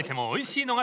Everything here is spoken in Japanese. おいしい。